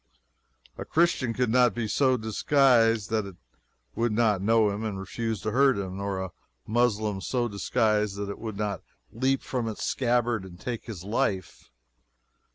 A Christian could not be so disguised that it would not know him and refuse to hurt him nor a Moslem so disguised that it would not leap from its scabbard and take his life.